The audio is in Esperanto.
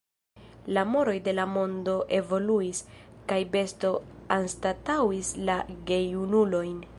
La moroj de la mondo evoluis, kaj bestoj anstataŭis la gejunulojn.